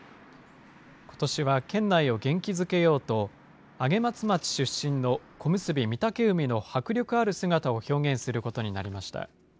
ことしは県内を元気づけようと、上松町出身の小結・御嶽海の迫力ある姿を表現することになりました。